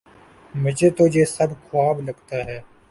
مجھے تو یہ سب خواب لگتا ہے